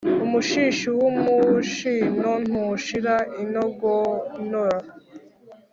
Umushishi w’umushino ntushira inogonora.